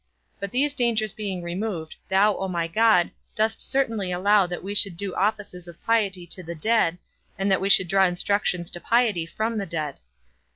But those dangers being removed, thou, O my God, dost certainly allow that we should do offices of piety to the dead and that we should draw instructions to piety from the dead.